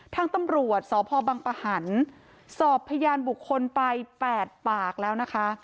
ทางตำรวจสพบังปะหันสอบพยานบุคคลไป๘ปากแล้วนะคะ